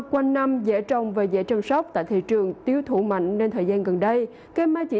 quanh năm dễ trồng và dễ chăm sóc tại thị trường tiếu thủ mạnh nên thời gian gần đây cây ma chỉ